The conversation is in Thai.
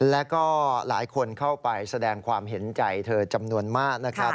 แล้วก็หลายคนเข้าไปแสดงความเห็นใจเธอจำนวนมากนะครับ